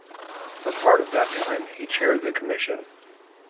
For part of that time, he chaired the commission.